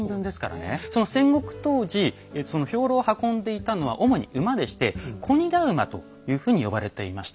でその戦国当時その兵糧を運んでいたのは主に馬でして「小荷駄馬」というふうに呼ばれていました。